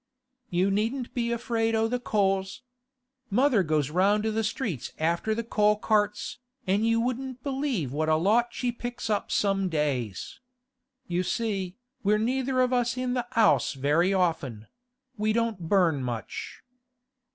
'You needn't be afraid o' the coals. Mother goes round the streets after the coal carts, an' you wouldn't believe what a lot she picks up some days. You see, we're neither of us in the 'ouse very often; we don't burn much.